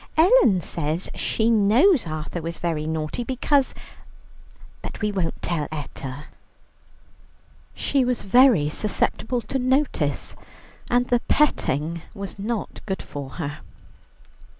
"Ellen says she knows Arthur was very naughty, because ... But we won't tell Etta." She was very susceptible to notice, and the petting was not good for her.